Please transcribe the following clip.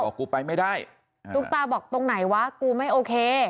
กูไปไม่ได้ตุ๊กตาบอกตรงไหนวะกูไม่โอเค